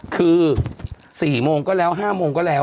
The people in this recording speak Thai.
คือ๔โมงก็แล้ว๕โมงก็แล้ว